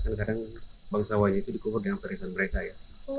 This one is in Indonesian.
karena kadang bangsawanya itu dikubur dengan periksaan mereka ya